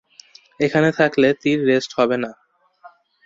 এখানে থাকলে তীর রেষ্ট হবে না।